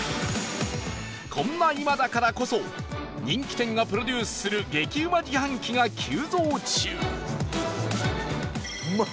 こんな今だからこそ人気店がプロデュースする激うま自販機が急増中うまっ！